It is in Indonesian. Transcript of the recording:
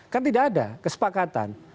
kan tidak ada kesepakatan